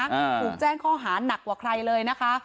ถูกแจ้งข้อหานักกว่าใครเลยนะคะ